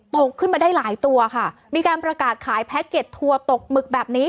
ขึ้นมาได้หลายตัวค่ะมีการประกาศขายแพ็คเก็ตทัวร์ตกหมึกแบบนี้